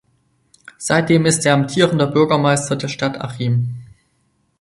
Seitdem ist er amtierender Bürgermeister der Stadt Achim.